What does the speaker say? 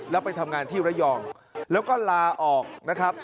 แล้วไปทำงานที่ระยองแล้วก็ลาออกนะครับ